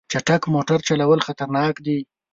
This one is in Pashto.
چټک موټر چلول خطرناک دي.